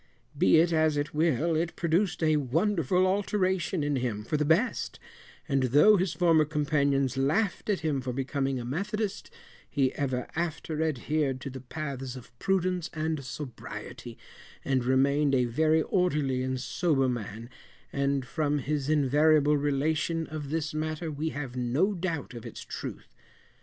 Be it as it will, it produced a wonderful alteration in him for the best; and though his former companions laughed at him for becoming a methodist, he ever after adhered to the paths of prudence and sobriety, and remained a very orderly and sober man, and from his invariable relation of this matter we have no doubt of its truth.